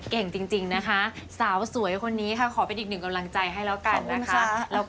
เก่งจริงนะคะสาวสวยคนนี้ค่ะขอเป็นอีกหนึ่งกำลังใจให้แล้วกันนะคะ